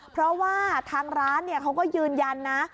เพราะว่าทางร้านเขาก็ยืนยันนะ